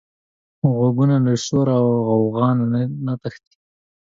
غوږونه له شور او غوغا نه تښتي